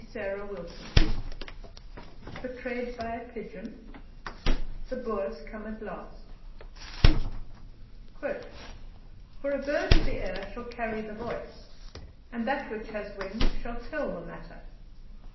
CHAPTER VIII BETRAYED BY A PIGEON THE BOERS COME AT LAST "For a bird of the air shall carry the voice, and that which has wings shall tell the matter."